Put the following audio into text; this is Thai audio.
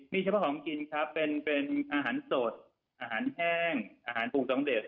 มีเฉพาะของกินครับเป็นอาหารสดอาหารแห้งอาหารปลูกสำเร็จ